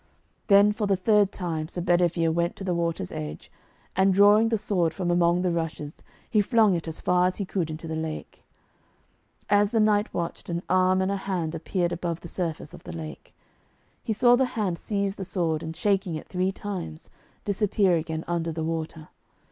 Then for the third time Sir Bedivere went to the water's edge, and drawing the sword from among the rushes, he flung it as far as he could into the lake. And as the knight watched, an arm and a hand appeared above the surface of the lake. He saw the hand seize the sword, and shaking it three times, disappear again under the water.